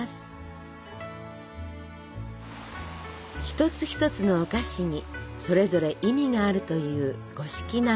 一つ一つのお菓子にそれぞれ意味があるという五色生菓子。